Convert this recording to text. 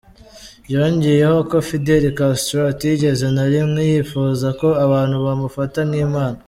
Yongeyeho ko Fidel Castro atigeze na rimwe yifuza ko abantu bamufata nk'imana.